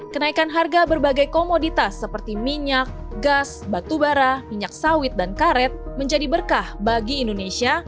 kenaikan harga berbagai komoditas seperti minyak gas batubara minyak sawit dan karet menjadi berkah bagi indonesia